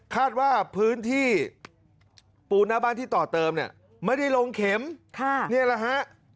คาดว่าพื้นที่ปูนหน้าบ้านที่ต่อเติมเนี่ยไม่ได้ลงเข็มนี่แหละฮะ